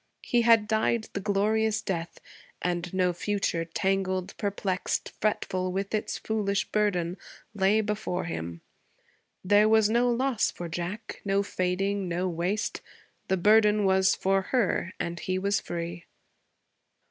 He had died the glorious death, and no future, tangled, perplexed, fretful with its foolish burden, lay before him. There was no loss for Jack no fading, no waste. The burden was for her, and he was free.